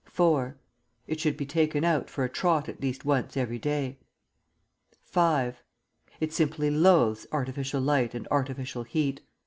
It should be taken out for a trot at least once every day. V. It simply loathes artificial light and artificial heat.